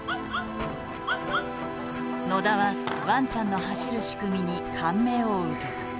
野田はワンちゃんの走る仕組みに感銘を受けた。